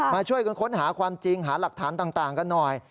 มาช่วยกันค้นหาความจริงหาหลักฐานต่างกันหน่อย